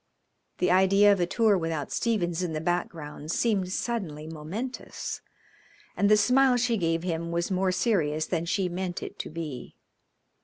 The idea of a tour without Stephens in the background seemed suddenly momentous, and the smile she gave him was more serious than she meant it to be.